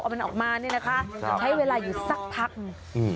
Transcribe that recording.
มันออกมาเนี่ยนะคะใช้เวลาอยู่สักพักหนึ่งอืม